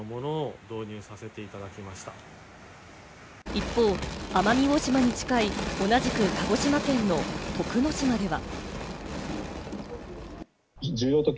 一方、奄美大島に近い同じく鹿児島県の徳之島では。